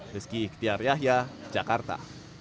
rizky iktiar yahya jakarta